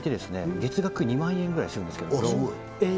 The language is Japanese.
月額２万円ぐらいするんですけれどあっ